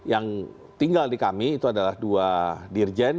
yang tinggal di kami itu adalah dua dirjen